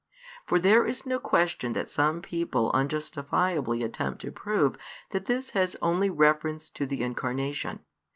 For there is no question that some people unjustifiably attempt to prove that this has only reference to the Incarnation.